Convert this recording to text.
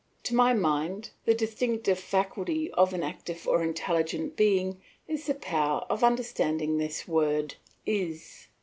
To my mind, the distinctive faculty of an active or intelligent being is the power of understanding this word "is."